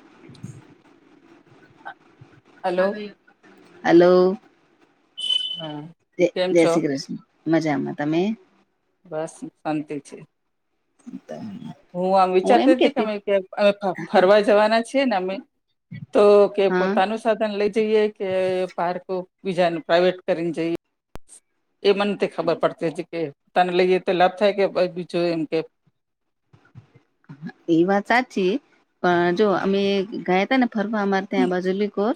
[inaudible] Hello હા ભાઈ hello. હા જે કેમ જય છો શ્રી કૃષ્ણ મજામાં. તમે? બસ શાંતિ છે. [inaudible] હું આમ એમ વિચારતી તી કે કેતી અમે ક્યાંક અમે ફરવા જવાના છીએ ને અમે તો કે હા પોતાનું સા સાધન લઈ જઈએ કે પારકું બીજાનું પ્રાઇવેટ કરીને જઈએ? એ મને નથી ખબર પડતી કે તને લઈ જઈ તો લાભ થાય કે બીજું એમ કે? હહ એ વાત સાચી. પણ જો અમે ગયાતા ને ફરવા અમારે ત્યાં આ બાજુલી કોર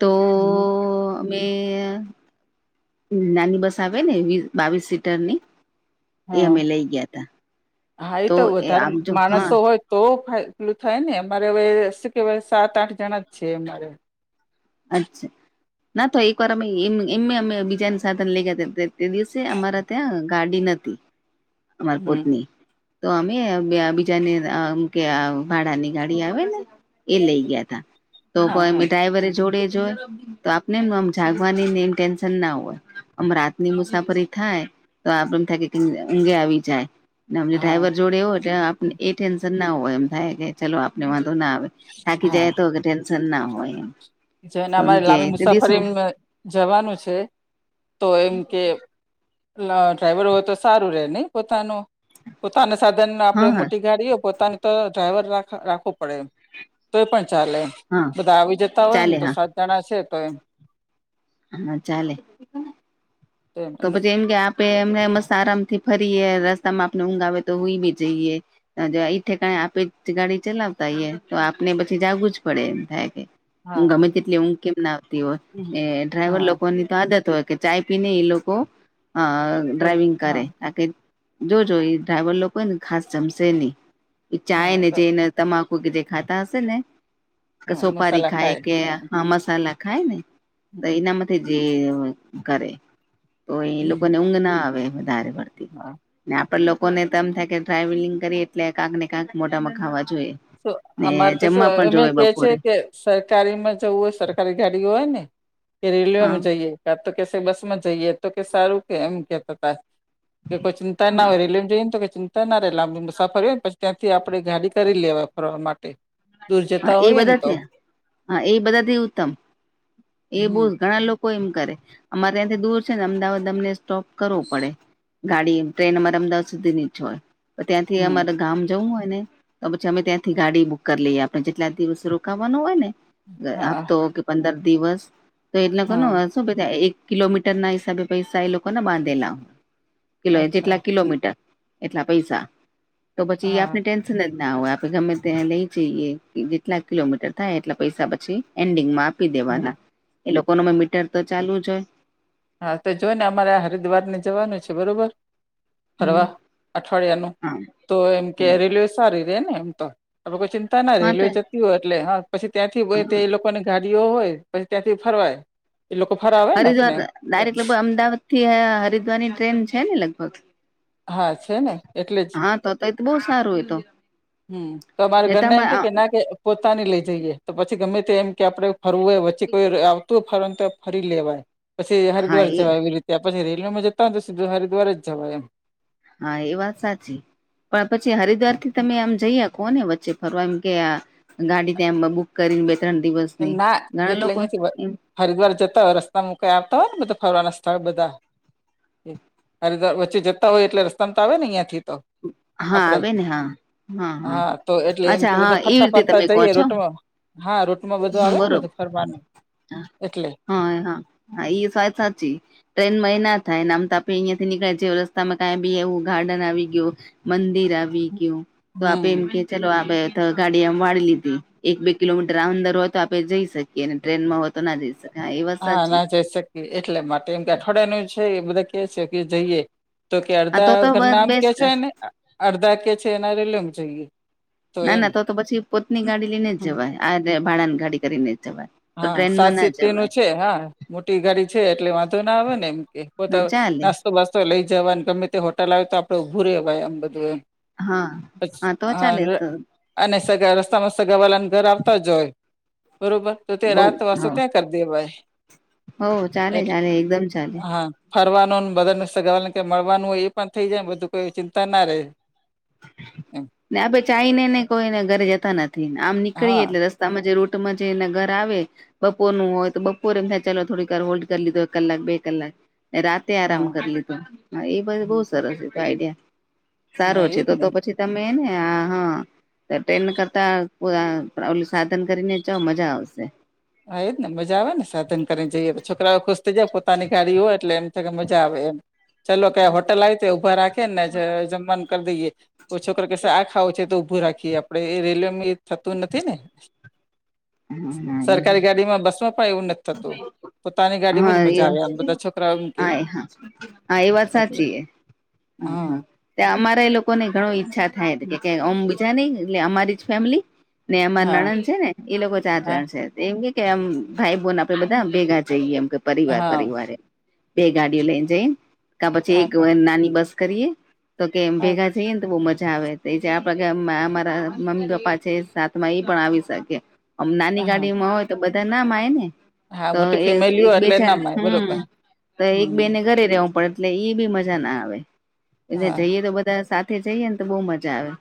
તો અમે નાની બસ આવે ને વી બાવીસ સીટરની. એ હા અમે લઈ ગયાતા. હા એ તો વધારે હા માણસો હોય. તો પેલું થાય ને અમારે હવે શું કેવાય સાત આઠ જણા જ છે અમારે. અચ્છા. ના તો એકવાર અમે એમ એ અમે અમે બીજાનું સાધન લઈ ગયા તે દિવસે અમારા ત્યાં ગાડી નતી. અમાર હમ પોતની. તો અમે બીજાની એમ કે આ ભાડાની ગાડી આવે ને. એ લઈ ગયા તા. તો હા હા ડ્રાઈવરે જોડે જ હોય. તો આપને એમ આમ જાગવાનીને એમ ટેન્શન ના હોય. આમ રાતની મુસાફરી થાય તો આપડે એમ થાય કે ઊંઘે આવી જાય. અમને હા ડ્રાઈવર જોડે હો એટલે આપને એ ટેન્શન ના હોય એમ થાય કે ચલો આપને વાંધો ના આવે થાકી જાય તો કાઈ ટેન શન ના હોય એમ. જેને તો એમ અમારે કે લાંબી તે દિવસ મુસાફરી હા જવાનું છે તો એમ કે લા ડ્રાઈવર હોય તો સારું રે નહીં પોતાનો? પોતાના સાધન આપડે હા મોટી ગાડી હોય પોતાની તો ડ્રાઈવર રાખવો પડે એમ. તોય પણ ચાલે હા બધા આવી જતા હોય ને ચાલે તો હા સા ઘણા છે તો એમ હા ચાલે. તો પછી એમ કે આપે એમને મસ્ત આરામથી ફરીએ. રસ્તામાં આપને ઊંઘ આવે તો હુઈ બી જઈએ. અન જો ઈ ઠેકાણે આપે ગાડી ચલાવતા હઈએ તો આપને પછી જાગવું જ પડે એમ થાય કે. ઊ ગમે હા તેટલી ઊંઘ કેમ ના આવતી હોય એ ડ્રાઈવર હા લોકો ની તો આદત હોય કે ચાય પીને એ લો કો અ ડ્રાઈવિંગ હા કરે તાકી જોજો એ ડ્રાઈવર લોકો ને ખાસ જમશે નહી એ ચાય હા ને તો જેને તમાકુ કે ને જે ખાતા હશે ને કે હા સોપારી મસાલા ખાય કે હા મસાલા ખાય ને તો એના માંથે જે કરે તો એ હમ લોકોને ઊંઘ ના આવે વધારે પડતી હા ને આપે લોકોને તો એમ થાય કે ડ્રાઇવિંગ કરીએ એટલે કાંક ને કાંક મોટામાં ખાવા જોઈએ. ને અમારે તો શું જમવા પણ અમે જોવે કે છે બપોરે કે સરકારી માં જવું હોય સરકારી ગાડીઓ હોય ને કે હા રેલવેમાં જઈએ તો કે બસ માં જઈએ તો કે સારું કે એમ કેતા હતા કે કોઈ તા ના હોય રેલવે જઈએને કે ચિંતા ના રહે લાંબી મુસાફરી હોય ને પછી ત્યાંથી પછી આપડે ગાડી કરી લેવાય ફરવા માટે દૂર હા જતા એ હોઈએ ને તો બધા હા એ બધા થી ઉત્તમ એ બઉ હમ ઘણા લોકો કોઈ એમ કરે અમારે ત્યાંથી દૂર છે ને અમદાવાદ અમને સ્ટોપ કરવો પડે ગાડી ટ્રેન અમારે અમદાવાદ સુધીની જ હોય તો ત્યાંથી હમ અમારા ગામ જવું હોય ને તો પછી અમે ત્યાંથી ગાડી બુક કરી લઈએ આપણે જેટલા દિવસે રોકાવાનું હોય ને હા હપ્તો કે પંદર દિવસ તો એટલે હા કોનુસ એક કિલોમીટર ના હિસાબે પૈસા એ લોકો ના બાંધેલા હોય કિલો હોય અચ્છા જેટલા કિલોમીટર એટલા પૈસા તો પછી હા આપણે ટેન્શન ના હોય આપે ગમે ત્યા લઈ જઈએ જેટલા કિલોમીટર થાય એટલા પૈસા પછી એન્ડિંગમાં આપી હા દેવાના એ લોકો નુ મીટર તો ચાલુ જ હોય હા તો જો ને અમારે હરિદ્વાર ને જવાનું છે બરોબર ફરવા હમ, અઠવાડિયા નુ હા તો એમ કે હમ, રેલવે સારી રે ને એમ તો આપે કોઈ ચિંતા ના હા રેલવે તો જતી હોય એટલે હા પછી ત્યાંથી તે એ લોકો લોકોની ગાડીઓ હોય પછી ત્યાંથી ફરવાય એ લોકો ફરવે ને હરિદ્વાર આપને ડાયરેક્ટ લગભગ અમદાવાદ થી હરિદ્વાર ની ટ્રેન છે ને લગભગ હા છે ને એટલે જ હા તો તોય તો બહું સારું ઈ તો હમ્મ તો અમારા ઘરના એમ નેતામાં કે કે ના કે પોતાની લઈ જઈએ તો પછી ગમે તે એમ કે આપડે ફરવું હોય વચ્ચે કોઈ આ તો ફરવા નુ તો ફરી લેવાય પછી હા હરિદ્વાર એ જવાય એવી રીતે ત્યાં પછી રેલમાં જતા હોય તો સીધા હરિદ્વાર જવાય એમ હા એ વાત સાચી પણ પછી હરિદ્વાર થી તમે આમ જઈ કોને વચ્ચે ફરવા એમ કે ગાડી ત્યાં બુક કરીને બે ત્રણ દિવસ ના એટલે અહીયાથી હરિદ્વાર જતા હોય રસ્તા મુકાઈ આવતા હોય ને બધા ફરવાના સ્થળ બધા હરિદ્વાર વચ્ચે જતા હોય એટલે રસ્તામાં તો આવે ને અહિયાં થી તો હ હા આપડે આવે ને હા હા હા તો એટલે એમ કે અચ્છા હા બધા એવી ફરતા રીતે તમે કહો છો એમાં બધું હમ, આવે ને બરોબર બધું ફરવાનું એટલે હા હા હા એઈ સ્વાય સાચી ટ્રેનમાં એ ના થાય નામ ત આપે અહીંયા થી નીકળે જ રસ્તામાં કાઈ બી એવું ગાર્ડન આવી ગયુ મંદિર આવી ગયું તો આપે હમ એમ કે ચલો આ ગાડી એમ વાળી લીધી એક બે કિલોમીટર આ અંદર હોય તો આપડે જઈ શકીએ અને ટ્રેનમાં હોય તો ના જઈ શકીએ. એ વાત હા સાચી ના જઈ શકીએ એટલે માટે એમ કે અઠવાડિયાનું છે એ બધા કે છે કે જઈએ તો કે હા તો અડધા તો ઘર ના આમ કે બેસ્ટ છે ને અર્ધા કે છે એ ના રેલવેમાં જઈએ. ના ના તો તો પછી પોતની ગાડી લઈને જ જવાય આ ભાડાની ગાડી કરીને જ જવાય તો હા સાત ટ્રેનમાં ના સિતી નું જવાય છે હા મોટી ગાડી છે એટલે વાંધો ના આવે ને એમ હા પોતા ચાલે નાસ વસતો લઈ જવાને ગમે તે હોટલ આવે તો આપડે ઊભું રેવાય એમ બધું એમ હા અછ તો ચાલે હા. તો અને સગા રસ્તામાં સગા વાળાનુ ઘર આવતા જ હોય બરોબર તો તે બઉ રાત હ વાસો ત્યાં કરી દેવાય હો ચાલે એટ ચાલે એકદમ ચાલે હા. ફરવાનુંને બધાને સગવાલા કે મળવાનું હોય એ પણ થઇ જાય ને બધું કોઈ ચિંતા ના રહે. એમ ને આપે ચાઈને ને કોઈને ઘરે જતા નથી આમ નીકળી હા એટલે રસ્તા રસ્તામાં જે રૂટમાં જેને ઘર આવે. બપોરનું હોય તો બપોરે એમ થાય ચાલો થોડી વાર હોલ્ડ કરી લીધો એક કલાક બે કલાક રા. તે આરામ હા કરી લીધું એ બહ બહુ હમ. સરસ છે ત આઈડિયા સારો હા છે. એજ તો ને પછી તમે ને આ હા. ત ટ્રેન કરતા ઓ અ ઓલુ સાધન કરીને ચ મજા આવશે. હા એજ ને મજા આવે ને સાધન કરીને જઈએ છોકરાઓ ખુશ થઇ જાય પોતાની ગાડી હોય એટલે એમ. કે મજા આવે એમ ચાલો કે હોટલ આવી તો ઊભા રાખે ને જ જમવાનું કરી દઈએ. ઓ છોકરો કેશે આ ખાવો છે તો ઊભું રાખીએ આપડે એ રેલવે મી થતું નથી ને. હ. સરકારી ગાડીમાં બસમાં પણ એવું નથી થતું. પોતાની ગાડીમાં જ હા એ મજા આવે વાત આમ બધા છોકરાઓ એમ કે હા હ હા એ વાત એટલે સાચી હે. હા હા. ત્યાં અમારા એ લોકો ને ઘણો ઈચ્છા થાય કે જે ઓમ બીજા નહી એટલે અમારી ફેમિલી. ને અમાર હા નણંદ છે ને. એ લોકો ચાર જણ હા છે એમ કેકે અમ ભાઈ બોન આપડે બધા ભેગા જઈએ એમ કે. પરિવાર પરિવારે બે ગાડીઓ લઈને જઈ કા પછી હા એક નાની બસ. કરીએ તો એમ હા ભેગા જઈએને તો બઉ મજા આવે. તો એજ આપણે કે મ અમારા મમ્મી પપ્પા છે સાથમાં એ પણ આવી શકે. આમ નાની હા ગાડી માં હોય તો બધા ના માય ને. હા તો મોટી એક ફેમિલીઓ એક બે એટલે ચાર ના માય હુ બરોબર તો એક હમ બે ને ઘરે રેવું પડે. એટલે એ બી મજા ના આવે એટલે હા જઈએ તો બધા સાથે જઈએ ન તો બહુ મજા આવે.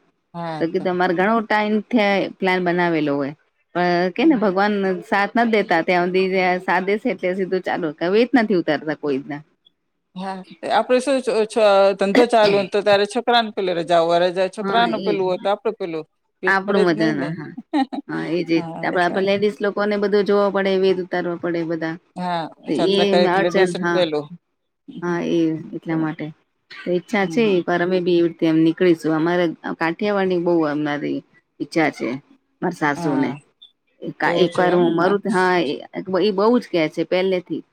તો કે તમારે ઘણો ટાઈમ થયા પ્લાન બનાવેલો હોય. પણ કેને હમ. ભગવાન સાત. નથી દેતા ત્યાં હુધી અ સાથ દેશે ત્યાં સીધું ચાલુ એેજ નથી ઉતારતા કોઈના. હા આપડે શું છો છો ધંધો ચાલુ હોને તો ત્યારે છોકરાને પેલે રજા હોવા રજા. હા છોકરાનું એજ પેલું હોય તો આપડું પેલું વેત આપડું પડેજ મજા નહી ને ના હા. હા એટલે. કોને બધું જોવો પડે વેત ઉતારવો પડે બધા હા તે એ જાત્રા કરે એટલે અડચન લેસન હા. પેલું હા એ એટલા માટે ઈચ્છા છે હમ પર અમે બી. તેમ નીકળીશું અમારે અ કાઠિયાવાડી બહુ આવનારી. ઈચ્છા છે મારા સાસુ હા ને એકા એવું એક છે વાર એમ હું મારું તો હા. એ બર બહુજ કે છે પહેલે થી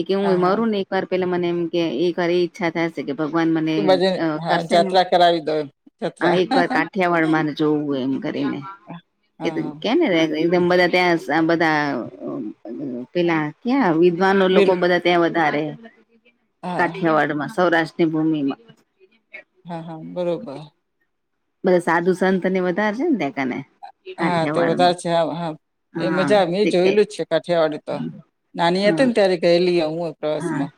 એક હું હા હા મારું ને એક વાર પેલા મને એમ કે એક વાર એ. ઈચ્છા થાશે કે ભગવાન મને એ બાજુ અ હા કરશે ને જાત્રા કરાવી દો એમ આ જત્રા એકવાર કાઠિયાવાડ મારે. જોવું એમ કરીને એ તો હા કે ને રે. એકદમ બધા ત્યાં સ બધા અ પેલા ક્યાં વિદ્વાન વીર લોકો બધા. ત્યાં વધારે હા કાઠીયાવાડ માં સૌરાષ્ટ્રની ભૂમિમાં. હા હા બરોબર. બઘા સાદું સંતને વધારે છે ને ત્યાં કને. હા તે કાઠિયાવાડમાં વધારે છે હા એ હા મજા મે તે કે જોયેલું જ છે કાઠિયાવાડી તો. નાની હા હતી ને ત્યારે ગયેલી હું હા પ્રવાસમાં.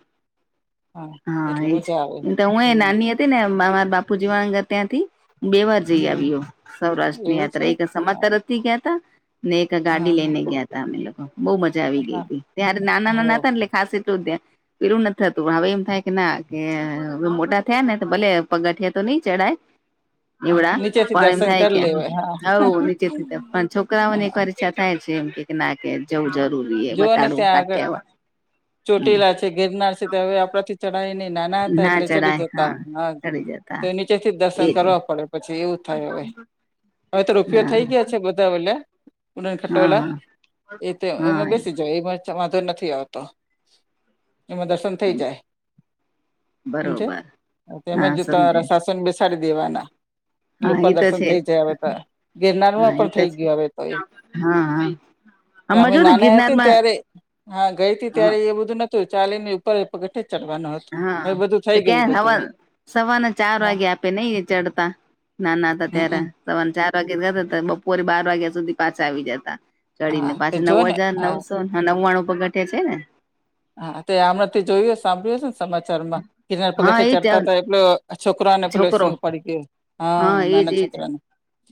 હા એટલે એજ મજા આવે એમ ત હું એ તો હમ નાની હતી ને મ મા મારા બાપુજી વાણા ને ત્યાથી. બે વાર જઈ આવી હમ હઉ સૌરાષ્ટ્રની એવું છે યાત્રા એક વાર સમાજ હા તરથી ગયા તા. ને એક ગાડી હા લઈને ગયા તા અમે લોકો બહુ મજા આવી ગઈ હા હતી ત્યારે નાના ના ના હા હતા ને એટલે. ખાસ એટલું ત્યાં પેલું નથી થતું હવે એમ. થાય કે ના કે મોટા થયા ને ભલે પગથિયા તો નઈ ચડાય. હા એવડા નીચેથી પણ એમ દર્શન થાય કે કરી લેવાય હા હો નીચે થી પણ છોકરાઓને એક હા વાર. ઈચ્છા થાય છે એમ કે ના કે જવું હા જરૂરી એ જોઓ ને બતાડવું કાટયાવાળ હમ. તે ગિરનાર છે તે હવે આપડા થી ચઢાય નહિ નાના હતા ના એટલે ચડી ચડાય જતા હા હ. ચડી તો જતા નીચે થી જ દર્શન એજ કરવા પડે પછી એવું થાય હવે હવે તો રોપિયો હા થઈ ગયા છે બધ [inaudible] ઉડન હા ખટોલા હા એ તો એમાં હા બેસી જાય એમાં વાંધો નથી આવતો એમાં દર્શ બરોબર હા સમજે [inaudible] સાસુ ને [inaudible] દેવાના એટલે હા ઉપર એ તો દર્શન છે થઇ જાય હવે તો ગિરનારમાં હા એ પણ તો થઈ છે ગયું હવે તો એ. હા હા આમાં અમે જો નાના હતી ને ગિરનારમાં ત્યારે હા ગઈ હતી ત્યારે હા એ બધું ન તો ચાલી ને ઉપર પગથીયા ચડવાનો હા તો ક્યાં હવન? સવારને ચાર હા વાગે આપે નહિ ચડતા નાના હતા ત્યારે? હમ સવારે ચાર વાગ્યા [inaudible] બપોરે બાર વાગ્યા સુધી પાછા આવી જતા. ચડી હા ને તે પાછા જો નવ ને હજાર હા નવસો નવ્વાણું પગથીયા છે ને? હા તે હમણાંથી જોયું સાંભળ્યું હશે ને સમાચાર માં ગિરનાર હા પગથીયા એજ ચડતા હતા એટલે આ છોકરા ને પહેલો છોકરો સિંહ ઉપાડી ગયો હા એજ નાના એજ છોકરાને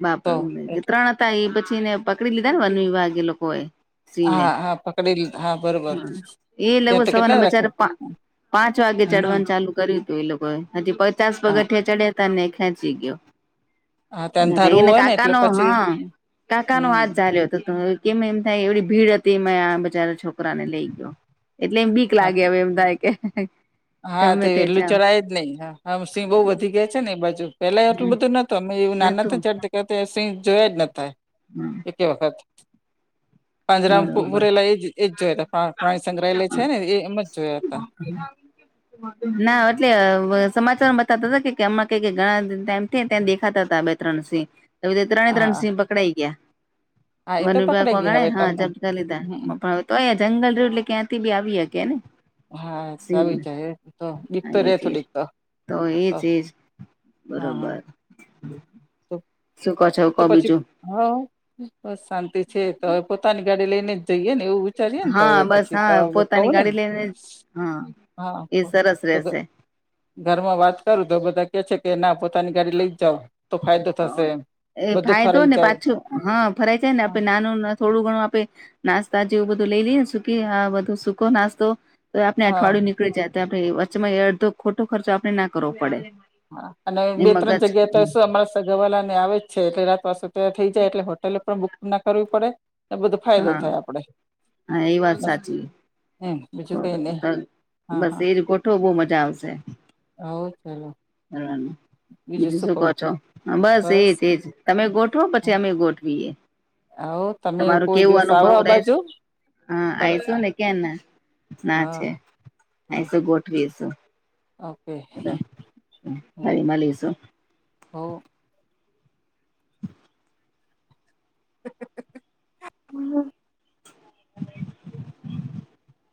બાપ તો એટલે ત્રણ એ પછી ને પકડી લીધા ને વન વિભાગ એ લોકો એ હા હા પકડી લ- હા બરોબર હ એ ત્યાં લેવું તો સવાના કેટલા રખ બચારે પાંચ વાગે હમ ચડવાનું ચાલુ કર્યું હતું એ લોકોએ હજી પચાસ હા પગઠિયા ચડ્યા તા ને ખેંચી ગ્યો. હા તે અંધારું એને હોય ને એટલે કાકાનો પછી હા કાકાનો હમ હાથ ઝાલ્યો તો. કેમ એમ થાય એવડી ભીડ હતી મે આ બચારા છોકરાને લઈ ગયો એટલે બી હા તે- લાગેવે એમ થાય કે હા તે ગમે એેટલું જાવ ચડાય જ નઈ હા હમ સિંહ બહુ વધી ગયા છે ને બાજુ પેલા એટલું બધું નતો અમે એવું ના નતું નથી ચડતી સિંહ જોયા જ નતા હમ એ વખત પાંજરા બરોબર પૂરેલા એ એજ જોયા હતા પ્રાણી સંગ્રહાલય છે ને એમ જ જોયા હતા. [unintelligible] ના એટલે સમાચારમાં બતાતા હતા કે એમમાં ક ઘણા ટાઈમ થયા ત્યાં દેખાતા હતા. ત્રણ સિંહ ત્રણેય હા ત્રણ હા સિંહ પકડાઈ ગયા હા એ વન તો વિભાગ પકડાઈ ગયા વગાડે હવે હા તમને જતા હમ લીધા પણ તો અહીયા જંગલ એટલે ક્યાંથી બી આવી હકેને? હા તો સી આવી જાય એ તો બીક તો રે એજજ થોડીક તો તો એજ એજ હા હા બરોબર તો શું કો છો કહો બીજું? હ બસ શાંતિ છે તો હવે પોતાની ગાડી લઈને જ જઈએ ને એવું. ચલીએ ને તો. [inaudible] હા બસ હા પોતાની ગાડી લઈને હા એ સરસ રહેશે ઘરમાં વાત કરું તો બધા કે છે કે ના પોતાની ગાડી લઈ જાવ તો ફાયદો થશે એમ એ બધું ફાયદો ફરાઈ ને જાય પાછો હા ફરાય જાય ને હા આપે નાનું થોડું ઘણું આપે નાસ્તા જેવું બધું લઈ લઈએ સુકી આ બધું સુકો નાસ્તો તો આપણે હા અઠવાડિયું નીકળી જાય તો આપણે વચ્ચમાં એ અડધો ખોટો ખર્ચો આપણે ના કરવો પડે. હા અને એ બે ત્રણ મગજ જગ્યાએ તો શું અમારા સગાવાલા ને આવે જ છે એટલે રાત પા થઈ જાય એટલે હોટેલે પણ બુક ના કરવી પડે. એ બધો ફાયદો હા થાય આપડે બસ હમ તો બસ એજ ગોઠો વો બહુ મજા આવશે. હવ ચાલો બીજું શું કહો છો? બસ એજ એજ તમે [inaudible] પછી અમે ગોઠવીએ. આવ તમે તમારું કોઈ કેવું દિવસ આવો અનુભવ આ રેહ બાજુ હા આયશું ને. કે ના ના છે અ શું ગોઠવીશુ. ઓ ફરી મલીશું. હવ. હમ્મ. હમ